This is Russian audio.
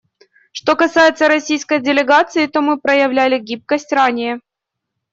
Что касается российской делегации, то мы проявляли гибкость ранее.